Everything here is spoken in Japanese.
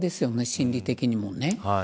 心理的にも。